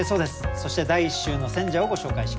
そして第１週の選者をご紹介しましょう。